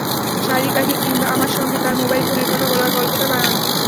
শালিক পাখি কিংবা আমার সঙ্গে তাঁর মোবাইল ফোনের কথা বলার গল্পটা বানানো।